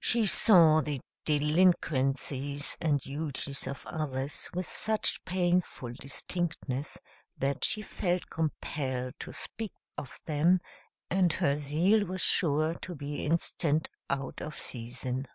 She saw the delinquencies and duties of others with such painful distinctness that she felt compelled to speak of them; and her zeal was sure to be instant out of season.